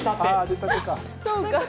そうか。